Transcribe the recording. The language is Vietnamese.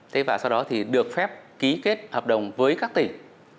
thế và sau đó thì được phép ký kết hợp đồng với các tỉnh